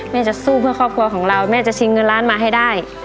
จะสู้เพื่อครอบครัวของเราแม่จะชิงเงินล้านมาให้ได้